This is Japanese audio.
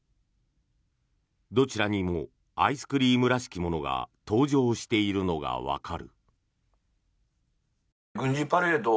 どちらにもアイスクリームらしきものが登場しているのがわかる。